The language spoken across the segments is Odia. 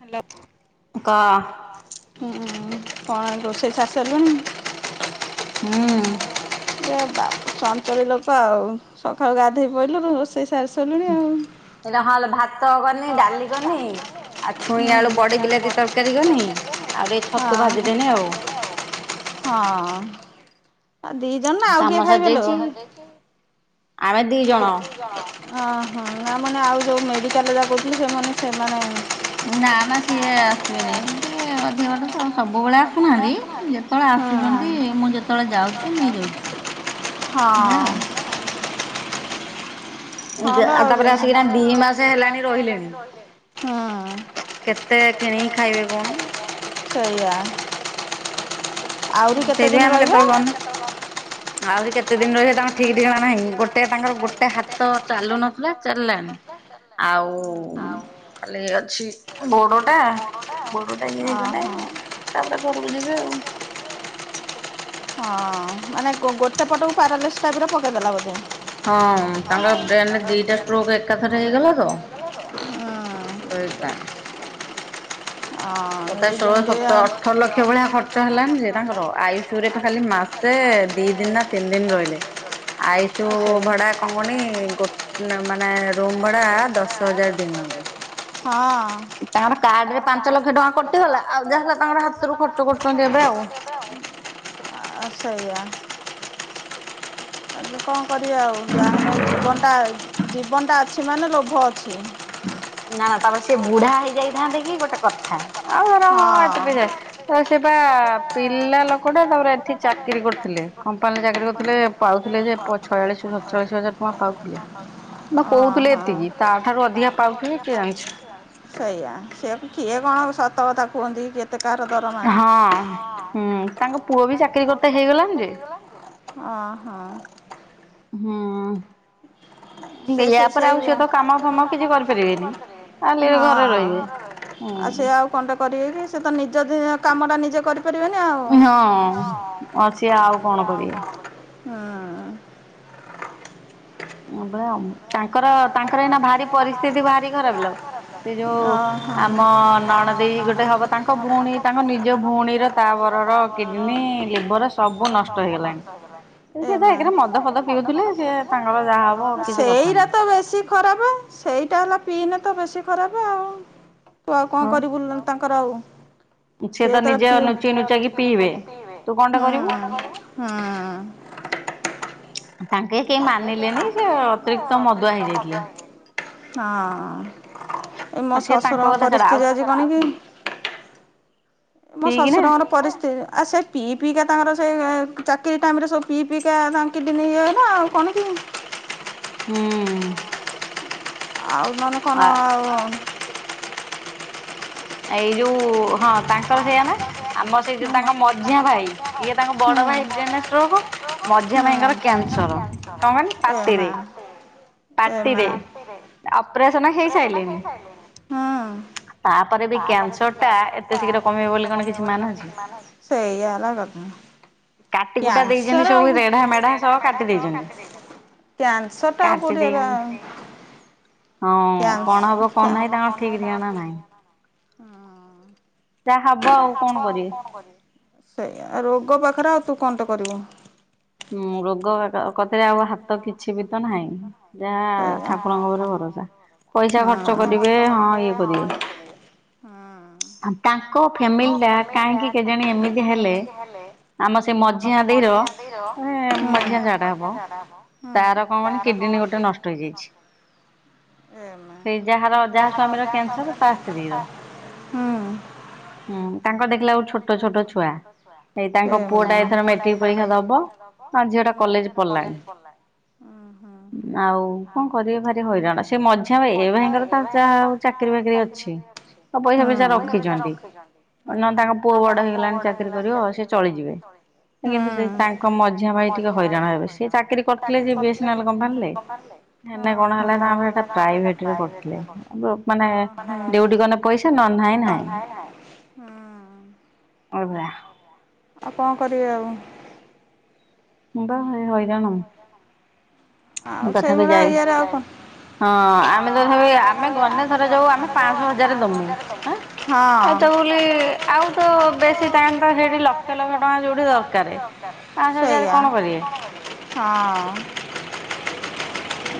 ହାଲୋ। କ ଅଁ ହୁଁ ଉ ଉ ଉ କଣ ଆଜି ରୋଷେଇ ସାର ସାଇଲୁଣି? ହୁଁ। ଏ ବା ଚଞ୍ଚଳି ଲୋକ ଆଉ ସଖାଳୁ ଗାଧେଇ ପଇଲୁଣୁ ରୋଷେଇ ସାରି ସାଇଲୁଣି ଆଉ। ଏ ଯାହାହେଲେ ଭାତ କନି, ଡ଼ାଲି କନି, ଆଉ ଛୁଇଁ ଆଳୁ ବଡ଼ି ବିଲାତି ତରକାରୀ କନି ଆଉ ଟିକେ ଛତୁ ଭାଜିିଦେନି ଆଉ। ହଁ। ଆଉ ଦି ଜଣ ନା ଆଉ କିଏ ଖାଇବେ ଲୋ? ଆମେ ଦି ଜଣ ହଁ ହଁ ନା ମାନେ ଆଉ ଯୋଉ ମେଡ଼ିକାଲ ରେ ଯାହା କହୁଥିଲି ସେମାନେ ସେମାନେ ନା ନା ସିଏ ଆସିବେନେଇଁ ଟିକେ ଅଧିକ ବାଟ ତ ସବୁବଳେ ଆସୁନାହାନ୍ତି ଯେ ତଳେ ଆସୁଚନ୍ତି ମୁଁ ଯେତେବେଳେ ଯାଉଚି ନେଇ ଯାଉଛୁ ଏଇଆ ଆଉ। ଉଁ ଯା ଆଉ ତାପରେ ଆସିକିନା ଦି ମାସେ ହେଲାଣି ରହିଲେଣି। କେତେ କିଣିକି ଖାଇବେ କହୁନୁ? ସେଇଆ ଆହୁରି କେତେଦିନ ରହିବେ? ଆହୁରି କେତେ ଦିନ ରହିବେ ତାଙ୍କ ଠିକ ଠିକଣା ନାହିଁ। ଗୋଟେ ତାଙ୍କର ଗୋଟେ ହାତ ଚାଲୁ ନଥିଲା ଚାଲଲାଣି। ଆଉ କାଲି ଅଛି ଗୋଡ଼ଟା ଗୋଡ଼ଟା ଇଏ ହେଇଗଲେ ତାପରେ ଘରକୁ ଯିବେ ଆଉ। ହଁ। ମାନେ ଗୋ ଗୋଟେ ପଟକୁ ପାରାଲିସ୍ ଟାଇପର ପକେଇଦେଲା ବୋଧେ। ହଁ ତାଙ୍କର ବ୍ରେନରେ ଦିଟା ଷ୍ଟ୍ରୋକ୍ ଏକାଥରେ ହେଇଗଲା ତ। [unintelligible] ତଥାପି ଷୋଳ ସତ ଅଠର ଲକ୍ଷ ଭଳିଆ ଖର୍ଚ୍ଚ ହେଲାଣିି ଯେ ତାଙ୍କର ଆୟୁଷ ସୁ ରେ ତ ଖାଲି ମାସେ ଦି ଦିନ ନା ତିନି ଦିନ ରହିଲେ ଆଇଷୁ ଭଡ଼ା କଣ କୁହନି ଗୋ ନା ମାନେ ରୁମ୍ ଭଡ଼ା ଦଶ ହଜାର ଦିନକୁ। ହଁ। ତାଙ୍କର କାର୍ଡରେ ପାଞ୍ଚ ଲକ୍ଷ ଟଙ୍କା କଟିଗଲା ଆଉ ଯାହାହେଲା ତାଙ୍କର ହାତରୁ ଖର୍ଚ୍ଚ କରୁଚନ୍ତି ଏବେ ଆଉ। ଆଁ ସେଇଆ କହିଲି କଣ କରିବା ଆଉ ଯାହେନେ ଜୀବନଟା ଜୀବନଟା ଅଛି ମାନେ ଲୋଭ ଅଛି। ନା ନା ତାପରେ ସିଏ ବୁଢ଼ା ହେଇଯାଇଥାନ୍ତେ କି ଗୋଟେ କଥା ଆଉ ଧର ହଁ ଏତେ ପଇସା ତ ସିଏ ପା ପିଲା ଲୋକଟା ତାପରେ ଏଠି ଚାକିରି କରୁଥିଲେ କମ୍ପାନୀରେ ଚାକିରି କରୁଥୁଲେ ପାଉଥିଲେ ଯେ ପ ଛୟାଳିଶ ସତଚାଳିଶ ହଜାର ଟଙ୍କା ପାଉଥିଲେ। ମ କହୁଥିଲେ ଏତିକି ତା ଠାରୁ ଅଧିକା ପାଉଥିବେ କିଏ ଜାଣିଛି। ସେଇଆ ସିଏ କିଏ କଣ ସତ କଥା କୁହନ୍ତି କି କେତ ହଁ ହୁଁ ତାଙ୍କ ପୁଅ ବି ଚାକିରି କରତେ ହେଇଗଲାଣି ଯେ। ଅ ହଁ। ହୁଁ। ସେ ସେ ସେଇ ତାଙ୍କର ଆଉ ସିଏ ତ କାମ ଫାମ କିଛି କରିପାରିବେନି ଖାଲି ଘରେ ରହିବେ। ଆଉ ସେ ଆଉ କଣଟେ କରିବେ କି ସେ ତ ନିଜ ଦିହ କାମଟା ନିଜେ କରି ପାରିବେନି ଆଉ। ହଁ ଅଛି ଆଉ କଣ କରିବେ। ହଁ। ହଁ ପରା ତାଙ୍କର ତାଙ୍କର ଏଇନା ଭାରି ପରିସ୍ଥିତି ଭାରି ଖରାପ ଲୋ ସେ ଯୋଉ ଆମ ଅ ଅ ନଣଦେଇ ଗୋଟେ ହବ ତାଙ୍କ ଭଉଣୀ ତାଙ୍କ ନିଜ ଭଉଣୀର ତା ବରର କିଡ଼ିନୀ, ଲିଭର ସବୁ ନଷ୍ଟ ହେଇଗଲାଣି। ହେଲେ ସିଏ ତ ଏକରେ ମଦ ଫଦ ପିଉଥିଲେ ସିଏ ସିଏ ତାଙ୍କ ତାଙ୍କର ଯାହା ମୁଁ ସେଇରା ତ ବେଶୀ ଖରାପ ସେଇଟା ହେଲା ପିଇନେ ତ ବେଶୀ ଖରାପ ଆଉ। ତୁ ଆଉ କଣ କରିବିବୁଲ ତାଙ୍କର ଆଉ। ସେତ ପି ହୁଁ ହୁଁ [unintelligible] ହଁ ଏ ମୋ ଶଶୁର ପରିସ୍ଥିତି ଅଛି କଣ କି? ମୋ ଶ୍ୱଶୁରଙ୍ଗର ପରିସ୍ଥିତି ଆ ସେ- - ପିଇ ପିଇିକା ତାଙ୍କର ସେ ଚାକିରି ଟାଇମରେ ସବୁ ପିଇ ପିଇକା ତାଙ୍କ କିଡ଼ନୀ ଇଏ ହେଲା ଆଉ କଣ କି? ହୁଁ ଆଉ ମାନେ କଣ ଆଉ। ଏଇ ଯୋଉ ହଁ ତାଙ୍କର ସେଇଆା ନା? ଆମ ସେଇ ଯ ତାଙ୍କ ମଝିଆ ଭାଇ ଇଏ ତାଙ୍କ ବଡ ଭାଇ ବ୍ରେନ ଷ୍ଟୋକ- - ମଝିଆ ଭାଇଙ୍କର କ୍ୟାନସର କଣ ପାତିରେ। ଏ ମା ହିଁ। ତାପରେ ବି କ୍ୟାନସର ଟା ଏତେ ଶୀଘ୍ର କମିବ ବୋଲି କଣ କିଛି ମାନ ଅଛି। ସେଇଆ ହେଲା କଥା। ବ୍ୟାନସର, କ୍ୟାନସର ଟା ଆଉ କଡିଲା ହଁ କଣ ହବ କଣ ନାହିଁ ତାଙ୍କ ଠିକ ଠିକାଣା ନାହିଁ? ଯାହା ହବ ଆଉ କଣ କରିବେ। ସେଇ ରୋଗ ପାଖରେ ଆଉ ତୁ କଟେ କରିବୁ। ରୋଗ କ ଆ ହାତ କିଛି ବି ତ ନାହିଁ ଠାକୁରଙ୍କ ଭଲ- - ହଁ ପଇସା ଖର୍ଚ୍ଚ କରିବେ ହ ହୁଁ। କୋଉ ଫ୍ୟାମିଲି ଟା କାହିଁକି କେଜଣେ ଏମିତି ହେଲେ- - ହେଲେ ଆମ ସେ ମଝିଆ ଦେଇ ର ମଝିଆ ଜା ମଝିଆ ଝାଡ଼ା ହବ। ତାର କଣ କିଡିନି ଗୋଟେ ନ- - ସେଇ ଯାହାର ଯାହା ସ୍ୱାମୀର କ୍ୟାନସର ତା ସ୍ତ୍ରୀର। ହୁଁ ତାଙ୍କ ଦେଖିଲା ଗୋ ଛୋଟ ଛୋଟ ଛୁଆ। ଏଇ ତାଙ୍କ ପୁଅଟା ଏଥର ମେଟ୍ରିକ ପରୀକ୍ଷା ଦବ। [unintelligible] ହିଁ ଝିଅଟା କଲେଜ। କଲେଜ ପଢିଲାଣି। ଆଉ କଂ କରିବି ଭାରି ହଇରାଣ। ସେ ମଝି ଏ ଭାଇଙ୍କର ତ ଯାହା ହଉ- - ଚାକିରୀ ବାକିରି ଅଛି। ତ ପଇସା ଫଇସା ରଖିଚନ୍ତି ନ ତାଙ୍କ ପୁଅ ବଡ ହେଇଗଲାଣିି ଚାକି କରିବ ଆଉ ସେ ଚଳିଯିବେ କିନ୍ତୁ ସେ ତାଙ୍କ ମଝିଆ ଭାଇ ଟିକେ ହଇରାଣ। ଚାକିରି କରିଥିଲେ [unintelligible] [unintelligible] ହଁ ଅରୁଆ ଆଉ କଣ କରିବି ଆଉ। ମୁବା ହଇ ହଇରାଣ। ଆଉ ସେଇଭଳିଆ ଇଆରେ ଆଉ କଣ? ହଁ ଆମେ ତଥା ଆମେ ଗନ ଥର ଯାଉ ଆମେ ପାଞ୍ଚଶହ ହଜାର ଦମୁଁ ଆଉ ତ ବୋଲି ଆଉ ତ ବେଶୀ ତାଙ୍କ ତ ସେଇଠି ଲକ୍ଷ ଲକ୍ଷ ଟଙ୍କା ଯୋଉଠି ଦରକାରେ। ସେଇଆା ହ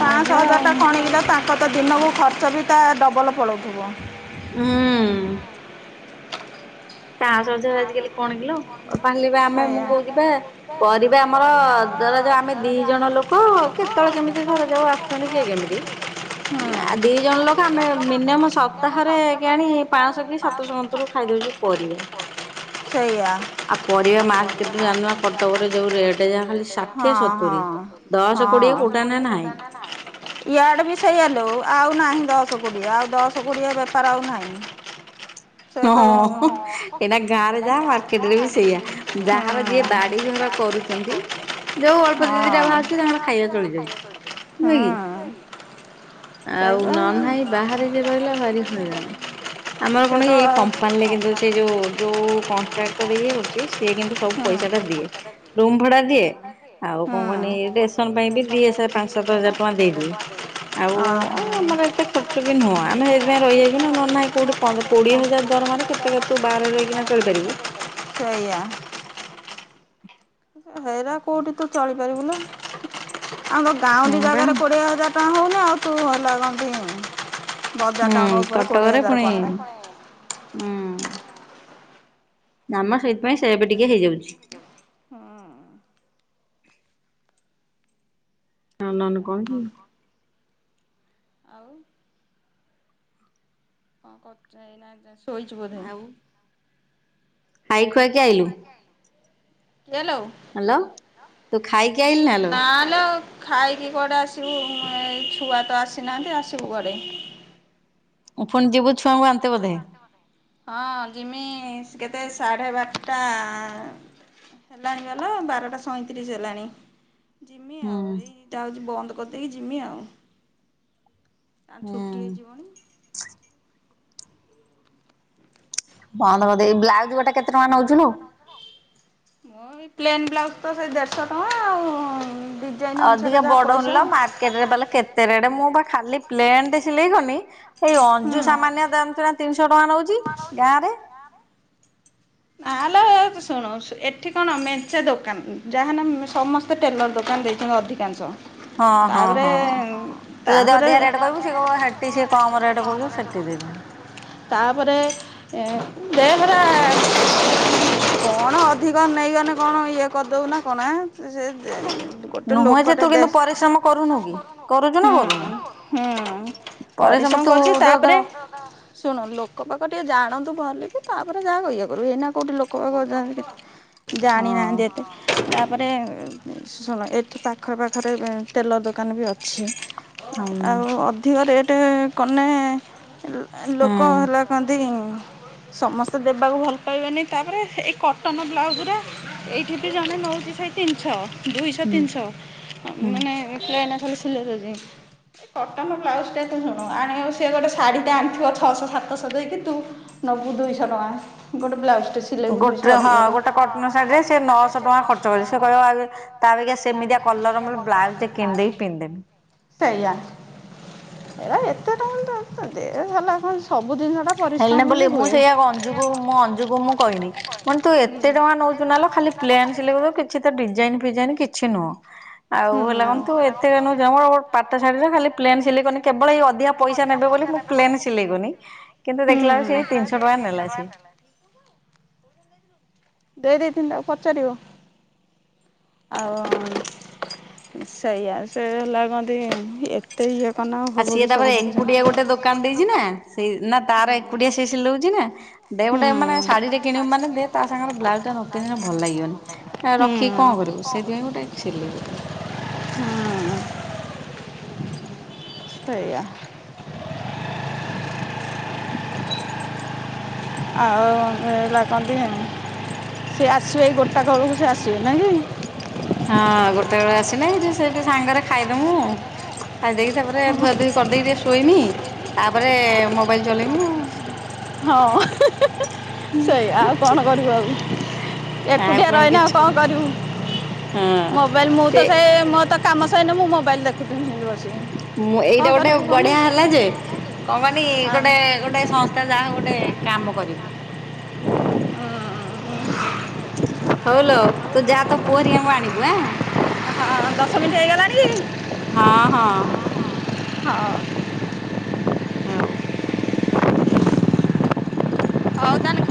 ପାଞ୍ଚ ହଜାରଟା କଣିବଲେ ତାଙ୍କ ତ ଦିନକୁ ଖର୍ଚ୍ଚ ବି ତା ଡବଲ୍ ପଳାଉଥିବ। ହୁଁ ତାଳସଝ ଆଜି କାଲି କଣ କିଲୋ ପାଲି ପା ଆମେ ମୁଁ କହୁଚି ପା ପରିବା ଆମର ଦରଜ ଆମେ ଦି ଜଣ ଲୋକ କେତେବେଳେ କେମିତି ଧରାଯାଉ ଆସୁଛନ୍ତି କିଏ କେମିତି ଆ ଦି ଜଣ ଲୋକ ଆମେ ମିନିମମ୍ ସପ୍ତାହରେ କିଆଣି ପାଞ୍ଚଶହ କି ସାତଶହ ଙ୍କତର ଖାଇଦଉଚୁ ପରିବା। ସେଇଆ। ଆଉ ପରିବା ମାର୍କେଟ ତୁମେ ଜାଣିନ ନା କଟକରେ ଯୋଉ ରେଟ୍ ଯାହା ଖାଲି ଷାଠିଏ ସତୁୁରି। ହଁ ଦଶ କୋଡ଼ିଏ କୋଉଟା ନା ନା। ଇଆଡେ ବି ସେଇଆ ଲୋ ଆଉ ନାହିଁ ଦଶ କୋଡିଏ ଆଉ ଦଶ କୋଡିଏ ବେପାର ଆଉ ନାହିଁ। [unintelligible] ହଁ ଏଇନା ଗାଁରେ ଯାହା ମାର୍କେଟରେ ବି ସେଇଆା ଯାହାର ଯିଏ ବାଡି ଘର କରୁଚନ୍ତି। ଯୋଉ ଅଳ୍ପ ଦି ଦିଟା ବାହାରୁଚି ତାଙ୍କର ଖାଇବା ଚଳି ଯାଉଚି ନୁହେଁ କି। ଆଉ ନହେନେ ନାଇଁ ବାହାରେ ଯିଏ ରହିଲା ଭାରି ହଇରାଣ। ଆମର କଣ ଏଇ କମ୍ପାଲେ କିନ୍ତୁ ଅଛୁ। ସେ ଯୋଉ ଯୋଉ କଣ୍ଟ୍ରାକ୍ଟର ଇଏ କରୁଚି ସିଏ କିନ୍ତୁ ସବୁ ପଇସା ଟା ଦିଏ। ରୁମ୍ ଭଡା ଦିଏ ଆଉ କଣ କହନି ରେସନ ପାଇଁ ବି ଦିଏ ପାଞ୍ଚ ସାତ ହଜାର ଟଙ୍କା ଦେଇଦିଏ। ଓହୋ। ଏତେ ଖର୍ଚ୍ଚ ବି ନୁହଁ ଆମେ ସେଥିପାଇଁ ରହିଯାଉଚୁ ନା ନହେନେ ନାଇଁ କୋଉଠି ପନ୍ଦ କୋଡି଼ଏ ହଜାର ଦରମାରେ କେ ଦେଖେ ତୁ ବାହାରେ ରହିକିନା ଚଳିପାରିବୁ। ସେଇଆ। ହେଇରା କୋଉଠି ତୁ ଚଳିପାରିବୁ ନା ଆର ଗାଉଁଲି ଜାଗାରେ କୋଡ଼ିଏ ହଜାର ଟଙ୍କା ହଉନି ଆଉ ତୁ ହେଲା କଣନ୍ତି ତା ବଜାର ଟାଉନ୍ ଉପରେ କୋଡ଼ିଏ ହଜାର କମେଇ ହୁଁ। କାମ ସେଇଥିପାଇଁ ସେ ଏବେ ଟିକେ ହେଇଯାଉଛି। ହଁ। ଆଉ ନହେନେ କଣ କି? ଆଉ। ହଁ କରୁଚ ଏଇନାକେ ଶୋଇଛୁ ବୋଧେ। ଖାଇ ଖୁଆକି ଆଇଲୁ। କିଏ ଲୋ? ଆଲୋ ତୁ ଖାଇକି ଆଇଲୁ ନା ଲୋ? ଲୋ ଖାଇକି କୁଆଡ଼େ ଆସିବୁ ଏ ଛୁଆ ତ ଆସିନାହାନ୍ତି ଆସିବୁ କୁଆଡ଼େ। ପୁଣି ଯିବୁ ଛୁଆଙ୍କୁ ଆଣିତେ ବୋଧେ। ହଁ ଜିମି କେତେ ସାଢ଼େ ବାରଟା ହେଲାଣି ହେଲା ବାରଟା ସଇଁତିରିଶି ହେଲାଣି। ଯିମି ଆଉ ଏଇ ଯାଉଚି ବନ୍ଦ କରିଦେଇକି ଯିମି ଆଉ। ଆଉ ଛୁଟି ହେଇଯିବଣି। ସେ ବନ୍ଦ କରିଦେଇକି। ବ୍ଲାଉଜ ଗୋଟା କେତେ ଟଙ୍କା ନେଉଚୁ ଲୋ? ମୁଁ ଏଇ ପ୍ଲେନ୍ ବ୍ଲାଉଜ୍ ତ ସେଇ ଦେଢ଼ଶହ ଟଙ୍କା ଆଉ ଅଧିକା ବଡ ହେଲା ମାର୍କେଟରେ ପା ଲୋ କେତେ ରେଟ୍ ମୁଁ ବା ଖାଲି ପ୍ଲେନଟେ ସିଲେଇ କନି ଏଇ ଅଞ୍ଜୁ ସାମାନ୍ୟ ଜାଣିଚୁ ନା ତିନିଶହ ଟଙ୍କା ନଉଚି ଗାଁରେ। ନା ଲୋ ଅଁ ଶୁଣୁ ଏଠି କଣ ମେଞ୍ଚେ ଦୋକାନ ଯାହା ହେନେ ସମ ମୋତେ ଟେଲର ଦୋକାନ ଦେଇଛନ୍ତି ଅଧିକାଂଶ। ହଁ ହଁ ହଁ ତୁ ଯଦି ଅଧିକା ରେଟ୍ କହିବୁ ସିଏ କହିବ ହେଠି ସିଏ କମ୍ ରେଟ୍ କହୁଚି ସେଠି ସେଦିନ ତାପରେ [unintelligible] ଦେହରା କଣ ଅଧିକ ନେଇଗଲେ କଣ ଇଏ କରିଦବୁ ନା କଣ ଏଁ ସେ ଗୋଟେ ଲୋକଟେ ଦେ [inaudible] ପରିଶ୍ରମ କରୁଛି ତାପରେ ଶୁଣ ଲୋକ ପାଖ ଟିକେ ଜାଣନ୍ତୁ ଭଲିକି ତାପରେ ଯାହା କହିଆକୁ। ଏଇନା କେଉଠି ଲୋକ ପାଖ ଜାଣି ଜାଣିନାହାନ୍ତି ଏତେ ତାପରେ ଶୁଣ ଏଠି ପାଖ ପାଖରେ ଏ ତେଲ ଦୋକାନ ବି ଅଛି। ଆଉ ଅଧିକ ରେଟେ କନେ ଲୋକ ହେଲା କନ୍ତି ସମସ୍ତେ ଦେବାକୁ ଭ କଇବେନି ତାପରେ ଏଇ କଟନ ବ୍ଲାଉଜ୍ ରେ ଏଇଠି ବି ଜଣେ ନଉଚି ସେଇ ତିନି ଛଅ। ଦୁଇଶ ତିନିଶ କଟନ ବ୍ଲାଉଜ୍ ଟେ ତୁ ଶୁଣୁ ଆଣିଆ ସେ ଗୋଟେ ଶଢ଼ୀଟେ ଆଣିଥିବ ଛଅଶ ସାତଶ ଦେଇକି ତୁ ନବୁ ଦୁଇଶ ଟଙ୍କା ଗୋଟେ ବ୍ଲାଉଜ୍ ଟେ ସି ଗୋଟେ ହଁ ଗୋଟେ କଟନ ଶାଢୀରେ ସେ ନଅଶ ଟଙ୍କା ଖର୍ଚ୍ଚ କଲେ ସେ କହିବ ଆରେ ତା ଅପେକ୍ଷା ସେମିତିଆ କଲର ମୋର ବ୍ଲାକ୍ ଟେ କିଣିଦେଇ ପିନ୍ଧିଦେବି। ସେଇଆ। ସବୁଦିନ ର ହେଲେ ବୋଲି ମୁଁ ସେଇଆ ଅଞ୍ଜକୁ ମୁଁ ଅ ଞ୍ଜୁକୁ ମୁଁ କହିନି ମାନେ ତୁ ଏତେ ଟଙ୍କା ନଉଚୁ ନାଲୋ ଖାଲି ପ୍ଲେନ୍ ସିଲେଇ କରିବୁ କିଛି ତ ଡିଜାଇନ୍ ଫିଜାଇନ୍ କିଛି ନୁଅଁ। ଆଉ ହେଲା କଣ ତୁ ଏତେ ନଉଚୁ ମୁଁ କହିଲି ପାଟ ଶାଢୀରେ ଖାଲି ପ୍ଲେନ୍ ସିଲେଇ କଲେ କେବଳ ଏଇ ଅଧିକା ପଇସା ନେବେ ବୋଲି ମୁଁ ପ୍ଲେନ୍ ସିଲେଇକୁୁନି କିନ୍ତୁ ଦେଖିଲା ବଳେ ସେ ତିନିଶ ଟଙ୍କା ନେଲା ସିଏ। ଦେଇ ଦେଇଥିନି ତାକୁ ପଚାରିବ। ଆଉ ସେଇଆ [inaudible] ସେ ହେଲା କହନ୍ତି ଆ ସିଏ ତାପରେ ଏକୁଟିଆ ଗୋଟେ ଦୋକାନ ଦେଇଛି ନା ସେଇ ନା ତାର ଏକୁଟିଆ ସେ ସିଲଉଛି ନା ଦେ ଗୋଟେ ମାନେ ଶାଢୀ ଟେ କିଣିବୁ ମାନେ ଦେ ତା ସାଙ୍ଗେ ବ୍ଲାଉଜ୍ ଟା ନ ପିନ୍ଧିଲେ ଭଲ ଲାଗିବନି ରଖିକି କଣ କରିବୁ ସେଥିପାଇଁ ଗୋଟେ ସିଲେଇ କରି [unintelligible] ସେଇଆ [unintelligible] [unintelligible] ଆୋ ଏ ଲାଗ କନ୍ତି ହେଣି ସେ ଆସିବେ ଏଇ ଗୋଟା ଘରକୁ ସେ ଆସିବେ ନାଇଁ କି? [unintelligible] ହଁ ଗୋଟେ ବେଳେ ଆସିିନେ ଯେ ସେଇଠି ସାଙ୍ଗେରେ ଖାଇଦମୁ। ଖାଇ ଦେଇକି ତାପରେ ଧୁଆଧୁଇ କରିଦେଇକି ଟିକେ ଶୋଇମି ତାପରେ ମୋବାଇଲ୍ ଚଲେଇମି ଆଉ। ହଁ [unintelligible] ସେଇଆ ଆଉ କଣ କରିବ ଆଉ। ଏକୁଟିଆ [unintelligible] ରହିଲେ ଆଉ କଣ କରିବୁ ମୋବାଇଲ ମୁଁ ତ ସେ ମୋ ତ କାମ ସଇଲେ ମୁଁ ମୋବାଇଲ୍ ଦେଖୁଥିମି ବସିକି। ମୁଁ ଏଇଟା ଗୋଟେ ବଢିଆ ହେଲା ଯେ କଣକନି ଗୋଟେ ଗୋଟେ ସଂସ୍ଥା ଯାହା ଗୋ ଟେ କାମ କରିବୁ ହଉଲୋ ତୁ ଯା ତୋ ପୁଅ ହେରିକା ଙ୍କୁ ଆଣିବୁ ଆଁ। ଦଶ ମିିନିଟ୍ ହେଇଗଲାଣି [unintelligible] ହଁ ହଁ। ହଁ [unintelligible] ହଉ [inaudible] ହଉଦ [unintelligible]